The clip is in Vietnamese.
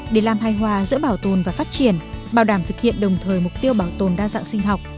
vai hòa giữa bảo tồn và phát triển bảo đảm thực hiện đồng thời mục tiêu bảo tồn đa dạng sinh học